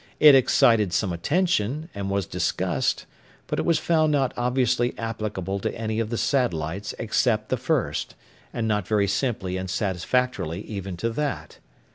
It excited some attention, and was discussed, but it was found not obviously applicable to any of the satellites except the first, and not very simply and satisfactorily even to that.